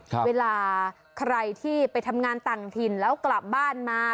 เวลาใครที่ไปทำงานต่างถิ่นแล้วกลับบ้านมา